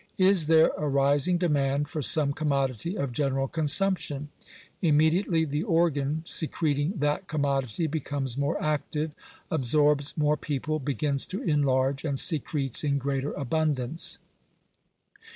Is there a rising demand for some commodity of general con sumption 1 Immediately the organ secreting that commodity becomes more active, absorbs more people, begins to enlarge, and secretes in greater abundance.